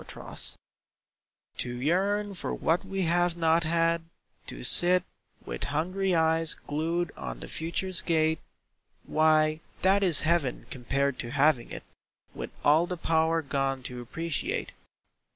SATIETY To yearn for what we have not had, to sit With hungry eyes glued on the Future's gate, Why, that is heaven compared to having it With all the power gone to appreciate.